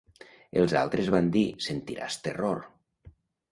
Els altres van dir: "Sentiràs terror".